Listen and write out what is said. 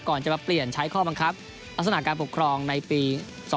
ก่อนจะมาเปลี่ยนใช้ข้อบังคับลักษณะการปกครองในปี๒๕๖